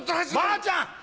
ばあちゃん！